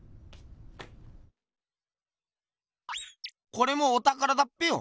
これもおたからだっぺよ。